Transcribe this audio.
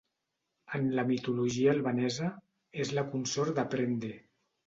En la mitologia albanesa, és la consort de Prende.